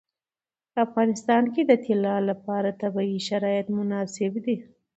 په افغانستان کې د طلا لپاره طبیعي شرایط مناسب دي.